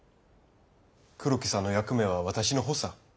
黒木さんの役目は私の補佐。